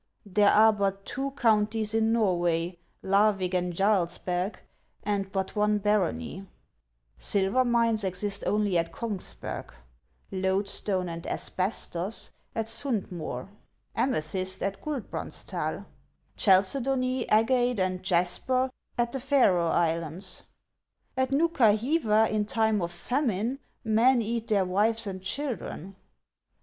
— There are but two counties in Xorway, Larvig and Jarlsberg, and but one barony. — Silver mines exist only at Kongsberg ; loadstone and asbestos, at Sund Moer ; ame HANS OF ICELAND. 483 thyst, at Guldbrandsdal ; chalcedony, agate, and jasper, at the Faroe Islands. — At Noukahiva, in time of famine, men eat their wives and children.